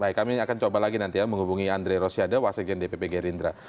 baik kami akan coba lagi nanti ya menghubungi andre rosiade wasekjen dpp gerindra